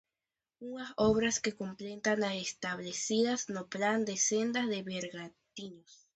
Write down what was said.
Unha obras que completa as establecidas no plan de sendas de Bergantiños.